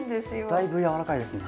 だいぶやわらかいですね。